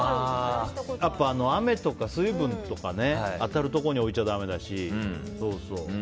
やっぱり雨とか水分とか当たるところに置いちゃだめだし。